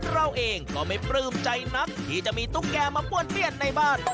เราเองก็ไม่ปลื้มใจนักที่จะมีตุ๊กแกมาป้วนเปี้ยนในบ้าน